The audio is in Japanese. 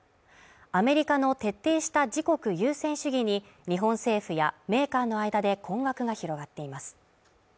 アメリカの徹底した自国優先主義に日本政府やメーカーの間で困惑が広がっています。